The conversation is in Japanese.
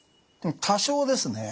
多少ですね。